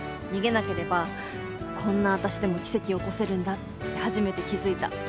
逃げなければこんな私でも奇跡起こせるんだって初めて気付いた。